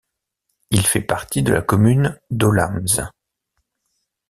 Il fait partie de la commune d'Olamze.